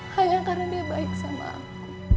sayang karena dia baik sama aku